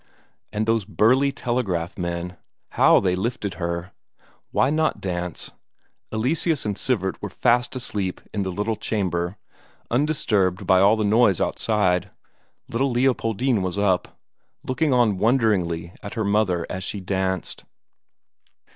And those burly telegraph men how they lifted her! Why not dance? Eleseus and Sivert were fast asleep in the little chamber, undisturbed by all the noise outside; little Leopoldine was up, looking on wonderingly at her mother as she danced.